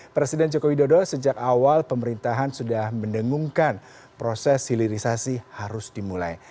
presiden joko widodo sejak awal pemerintahan sudah mendengungkan proses hilirisasi harus dimulai